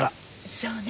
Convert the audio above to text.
そうね。